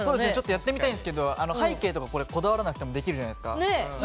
やってみたいんですが背景とか、こだわらなくてもできるじゃないですか。